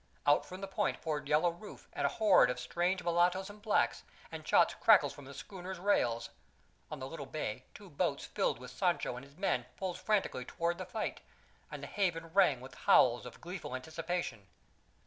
Out from the point poured Yellow Rufe and a horde of strange mulattos and blacks, and shots crackled from the schooner's rails. On the little bay two boats filled with Sancho and his men pulled frantically toward the fight, and the haven rang with howls of gleeful anticipation.